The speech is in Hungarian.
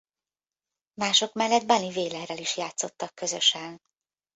Mások mellett Bunny Wailer-rel is játszottak közösen.